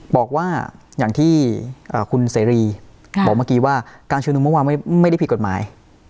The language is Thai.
บอกว่าอย่างที่คุณเสรีบอกเมื่อกี้ว่าการชุมนุมเมื่อวานไม่ได้ผิดกฎหมาย